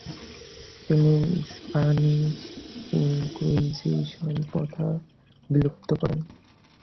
তিনি Spanish Inquisition প্রথা বিলুপ্ত করেন।